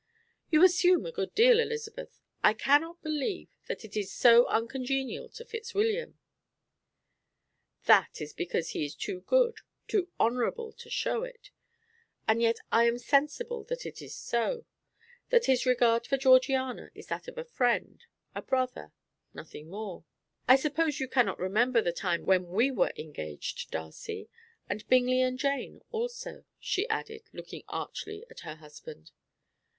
"You assume a good deal, Elizabeth. I cannot believe that it is so uncongenial to Fitzwilliam." "That is because he is too good, too honourable to show it; and yet I am sensible that it is so that his regard for Georgiana is that of a friend, a brother, nothing more. I suppose you cannot remember the time when we were engaged, Darcy, and Bingley and Jane also?" she added, looking archly at her husband.